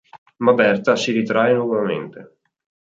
Ma Berta si ritrae nuovamente.